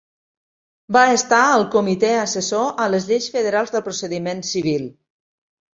Va estar al Comitè assessor a les lleis federals del procediment civil.